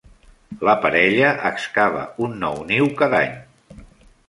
La parella excava un nou niu cada any.